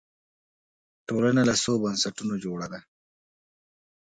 ټولنه له څو بنسټونو جوړه ده